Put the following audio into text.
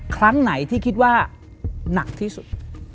ครั้งไหนที่คิดว่าหนักที่สุด